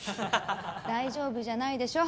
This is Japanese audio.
「大丈夫じゃないでしょ」。